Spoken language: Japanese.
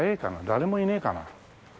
誰もいねえかな？